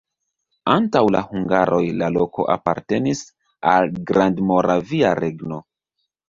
Antaŭ la hungaroj la loko apartenis al Grandmoravia Regno.